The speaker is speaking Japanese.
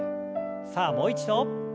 さあもう一度。